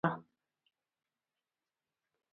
ټولټال شاوخوا پنځه سوه کیلومتره یې وهلې وه.